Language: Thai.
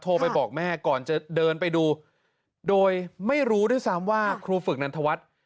ไปบอกแม่ก่อนจะเดินไปดูโดยไม่รู้ด้วยซ้ำว่าครูฝึกนันทวัฒน์